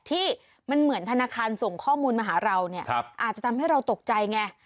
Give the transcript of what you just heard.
ที่มันเหมือนธนาคารส่งข้อมูลมาหาเราเนี่ยอาจจะทำให้เราตกใจไง